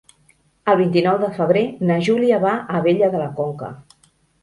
El vint-i-nou de febrer na Júlia va a Abella de la Conca.